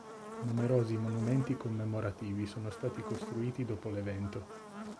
Numerosi monumenti commemorativi sono stati costruiti dopo l'evento.